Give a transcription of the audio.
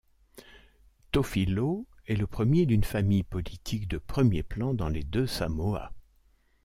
Tofilau est le premier d'une famille politique de premier plan dans les deux Samoa.